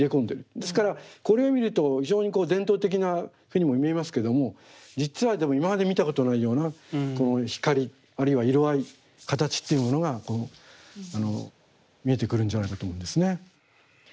ですからこれを見ると非常にこう伝統的なふうにも見えますけども実はでも今まで見たことないような光あるいは色合い形というものが見えてくるんじゃないかと思うんですね。